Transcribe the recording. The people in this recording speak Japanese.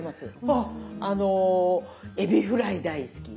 あのえびフライ大好き。